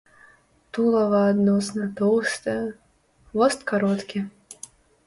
Тулава адносна тоўстае, хвост кароткі.